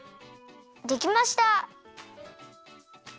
できました！